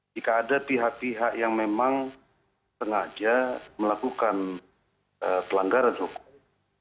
jika ada pihak pihak yang memang sengaja melakukan pelanggaran hukum